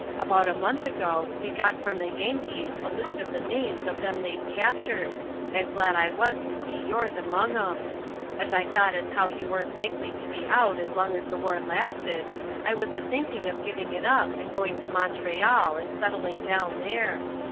About a month ago we got from the Yankees a list of the names of them they'd captured, and glad I was to see yours among 'em. As I thought as how you weren't likely to be out as long as the war lasted, I was a thinking of giving it up and going to Montreal and settling down there.